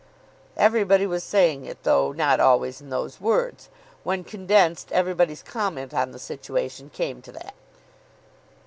Everybody was saying it, though not always in those words. When condensed, everybody's comment on the situation came to that.